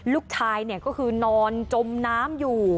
ลูกท้ายเนี่ยก็คือนอนจมน้ำอยู่